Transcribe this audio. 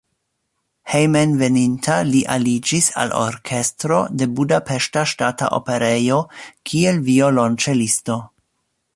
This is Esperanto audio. Hejmenveninta li aliĝis al orkestro de Budapeŝta Ŝtata Operejo, kiel violonĉelisto.